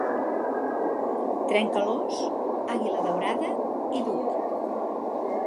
Trencalòs, àguila daurada i Duc.